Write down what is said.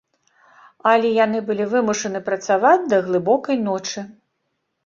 Але яны былі вымушаныя працаваць да глыбокай ночы.